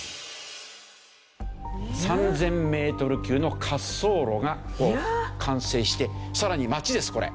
３０００メートル級の滑走路が完成してさらに町ですこれ。